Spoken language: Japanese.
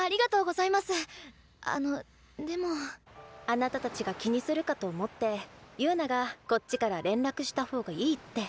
あなたたちが気にするかと思って悠奈がこっちから連絡した方がいいって。